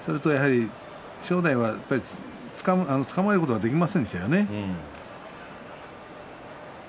正代は、つかまえることができませんでしたよね。